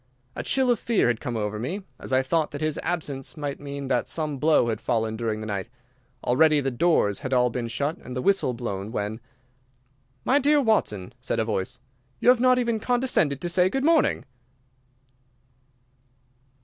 A chill of fear had come over me, as I thought that his absence might mean that some blow had fallen during the night. Already the doors had all been shut and the whistle blown, when— "My dear Watson," said a voice, "you have not even condescended to say good morning."